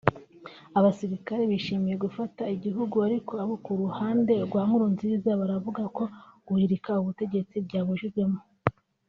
Abasirikare bishimiye gufata igihugu ariko abo ku ruhande rwa Nkurunziza baravuga ko guhirika ubutegetsi byaburijwemo